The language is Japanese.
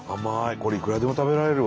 これいくらでも食べられるわ。